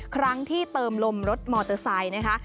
ครั้งที่เติมลมรถมอเตอร์ไซค์นะคะ